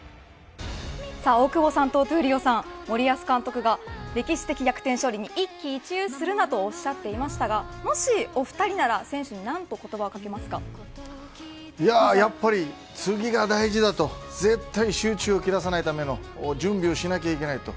大久保さんと闘莉王さん森保監督が歴史的逆転勝利に一喜一憂するなとおっしゃっていましたがもしお２人なら選手にいや、やっぱり次が大事だと絶対、集中切らさないための準備をしなきゃいけないと。